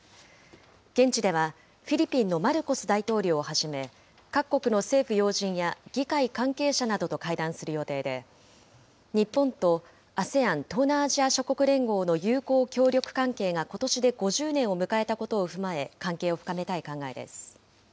現地では、フィリピンのマルコス大統領をはじめ、各国の政府要人や議会関係者などと会談する予定で、日本とＡＳＥＡＮ・東南アジア諸国連合の友好協力関係がことしで５０年を迎えたことを踏まえ、関係を深めたい考えです。